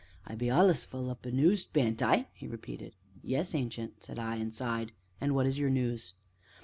"I be allus full up o' noos, bean't I?" he repeated. "Yes, Ancient," said I, and sighed; "and what is your news?"